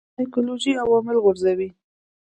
سایکولوژیکي عوامل غورځوي.